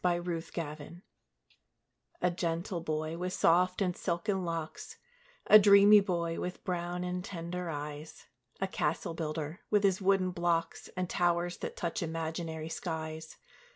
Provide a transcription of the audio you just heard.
THE CASTLE BUILDER A gentle boy, with soft and silken locks A dreamy boy, with brown and tender eyes, A castle builder, with his wooden blocks, And towers that touch imaginary skies.